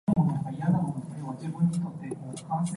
依個單位面積五百平方尺